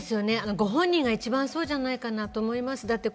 ご本人が一番そうじゃないかなと思います。